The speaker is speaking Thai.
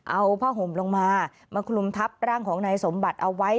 เอาผ้าห่มลงมามาคลุมทับร่างของนายสมบัติเอาไว้